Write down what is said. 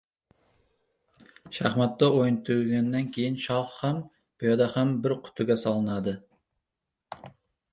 Shahmatda o‘yin tugagandan keyin shoh ham, piyoda ham bir qutiga solinadi.